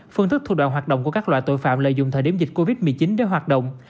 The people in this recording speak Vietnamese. phương thức thủ đoạn hoạt động của các loại tội phạm lợi dụng thời điểm dịch covid một mươi chín để hoạt động